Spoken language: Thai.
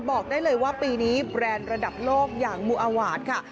บอกได้เลยว่าปีนี้แบรนด์ระดับโลกอย่างมุอาวาสค่ะ